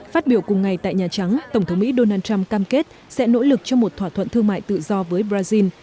phát biểu cùng ngày tại nhà trắng tổng thống mỹ donald trump cam kết sẽ nỗ lực cho một thỏa thuận thương mại tự do với brazil